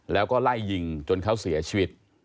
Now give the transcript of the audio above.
แล้วก็ไล่ยิงจนเขาเสียชีวิต